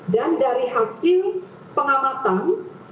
dan dari hasil pengamatan